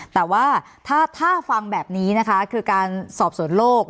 แต่ว่าถ้าฟังแบบนี้นะคะคือการสอบสวนโลก